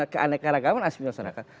keanekaragaman aspirasi masyarakat